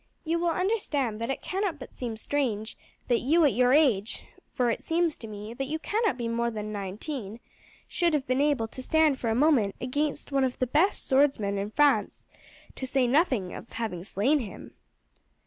"You will understand that it cannot but seem strange that you at your age for it seems to me that you cannot be more than nineteen should have been able to stand for a moment against one of the best swordsmen in France, to say nothing of having slain him."